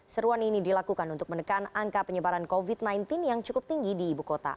seruan ini dilakukan untuk menekan angka penyebaran covid sembilan belas yang cukup tinggi di ibu kota